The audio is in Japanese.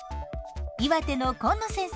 岩手の紺野先生